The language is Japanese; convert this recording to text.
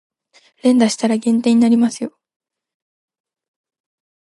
連打したら減点になりますよ